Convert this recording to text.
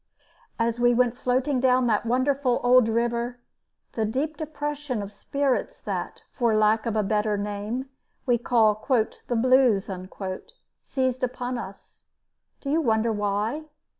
As we went floating down that wonderful old river, the deep depression of spirits that, for lack of a better name, we call "the blues," seized upon us. Do you wonder why?